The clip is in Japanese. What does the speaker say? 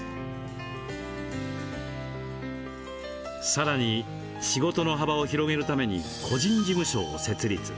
さらに仕事の幅を広げるために個人事務所を設立。